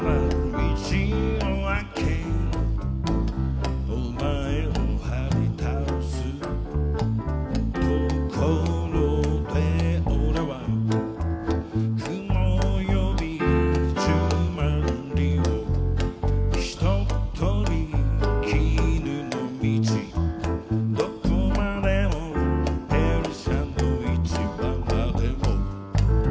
道をあけろおまえをはりたおす」「ところで俺は雲を呼び十万里をひとっ翔び」「絹の道どこまでも波斯の市場までも」